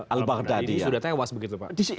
al baghdadi sudah tewas begitu pak